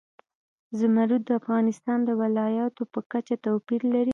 زمرد د افغانستان د ولایاتو په کچه توپیر لري.